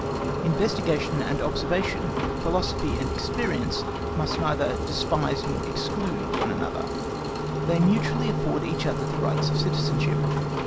Investigation and observation, philosophy and experience, must neither despise nor exclude one another; they mutually afford each other the rights of citizenship.